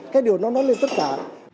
các điều nó nói lên tất cả